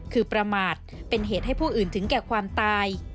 คือประมาทเป็นเหตุให้ผู้อื่นถึงแก่ความตาย